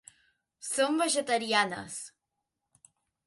Són vegetarianes.